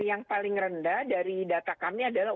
yang paling rendah dari data kami adalah